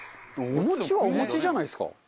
お餅はお餅じゃないですか？